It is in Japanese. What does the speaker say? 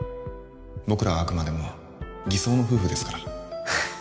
僕らはあくまでも偽装の夫婦ですから